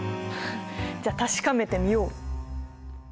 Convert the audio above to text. じゃあ確かめてみよう！